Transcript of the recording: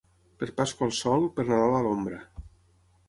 Per Pasqua al sol, per Nadal a l'ombra.